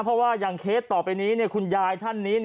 เพราะว่าอย่างเคสต่อไปนี้คุณยายท่านนี้